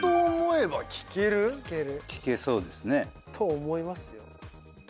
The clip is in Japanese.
聞けそうですね。と思いますよ。